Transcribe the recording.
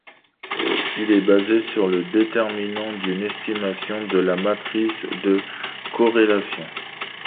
Il est basé sur le déterminant d’une estimation de la matrice de corrélation.